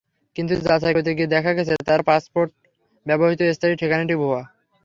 কিন্তু যাচাই করতে গিয়ে দেখা গেছে, তাঁর পাসপোর্টে ব্যবহৃত স্থায়ী ঠিকানাটি ভুয়া।